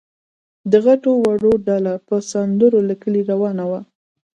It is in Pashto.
د غټو وړو ډله په سندرو له کلي روانه وه.